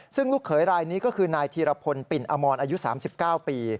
ซึ่งลูกเขยรายนี้ก็คือนายธีรพลปิ่นอมรอายุ๓๙ปี